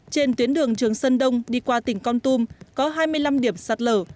trên tuyến đường trường sơn đông đi qua tỉnh con tum có hai mươi năm điểm sạt lở